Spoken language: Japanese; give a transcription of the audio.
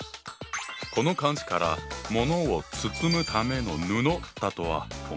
この漢字から物を包むための布だとは思わないよな。